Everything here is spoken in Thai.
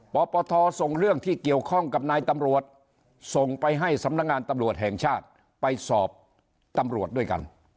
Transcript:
ปปทส่งเรื่องที่เกี่ยวข้องกับนายตำรวจส่งไปให้สำนักงานตำรวจแห่งชาติไปสอบตำรวจด้วยกัน